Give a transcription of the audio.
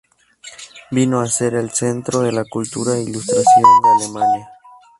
Vino a ser el centro de la cultura e ilustración de Alemania.